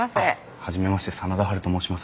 初めまして真田ハルと申します。